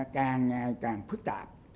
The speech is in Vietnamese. càng ngày càng phức tạp